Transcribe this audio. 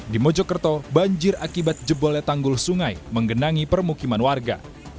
di mojokerto banjir akibat jebolnya tanggul sungai menggenangi permukiman warga